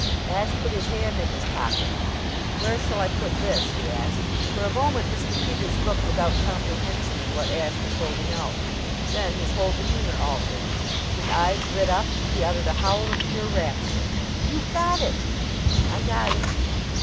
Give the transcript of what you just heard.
Ashe put his hand in his pocket. "Where shall I put this?" he asked. For a moment Mr. Peters looked without comprehension at what Ashe was holding out; then his whole demeanor altered. His eyes lit up. He uttered a howl of pure rapture: "You got it!" "I got it."